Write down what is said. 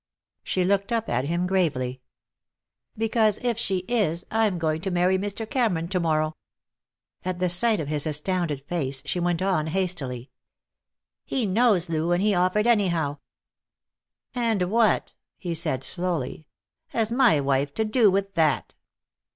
She looked up at him gravely. "Because, if she is, I am going to marry Mr. Cameron tomorrow." At the sight of his astounded face she went on hastily: "He knows, Lou, and he offered anyhow." "And what," he said slowly, "has my wife to do with that?"